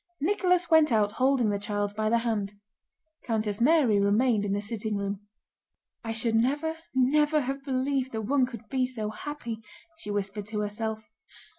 Nicholas went out holding the child by the hand. Countess Mary remained in the sitting room. "I should never, never have believed that one could be so happy," she whispered to herself.